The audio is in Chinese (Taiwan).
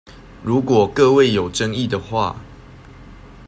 如果各位有爭議的話